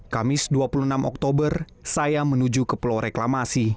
kamis dua puluh enam oktober saya menuju ke pulau reklamasi